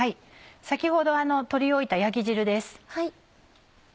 先ほど取り置いた焼き汁です。